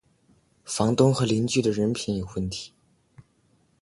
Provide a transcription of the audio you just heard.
房东和邻居的人品有问题